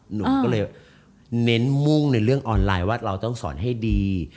หนูก็เลยเน้นมุ่งในเรื่องออนไลน์ว่าเราต้องสอนให้ดี